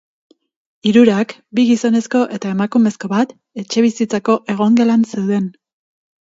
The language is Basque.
Hirurak, bi gizonezko eta emakumezko bat, etxebizitzako egongelan zeuden.